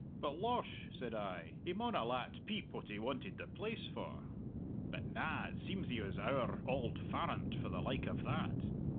'But, losh,' said I, 'he maun 'a' lat peep what he wanted the place for!' But na; it seems he was owre auld farrant for the like of that.